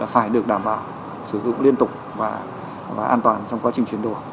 phải được đảm bảo sử dụng liên tục và an toàn trong quá trình chuyển đổi